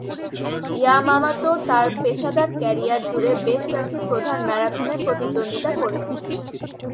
ইয়ামামোতো তার পেশাদার ক্যারিয়ার জুড়ে বেশ কয়েকটি প্রধান ম্যারাথনে প্রতিদ্বন্দ্বিতা করেছেন।